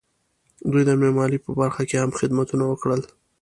دوی د معمارۍ په برخه کې هم خدمتونه وکړل.